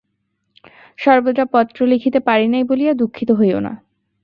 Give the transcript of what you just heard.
সর্বদা পত্র লিখিতে পারি নাই বলিয়া দুঃখিত হইও না।